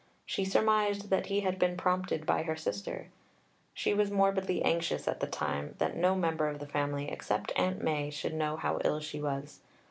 She surmised that he had been prompted by her sister. She was morbidly anxious at this time that no member of the family except Aunt Mai should know how ill she was.